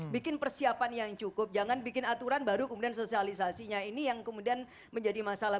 bikin persiapan yang cukup jangan bikin aturan baru kemudian sosialisasinya ini yang kemudian menjadi masalah